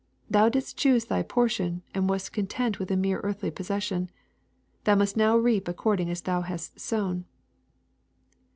Thou didst choose thy portion, and wast conteut with a mere earthly possession. Thou must now reap according as thou hast sown."